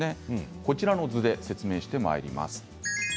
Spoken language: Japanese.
こちらの図で説明してまいります。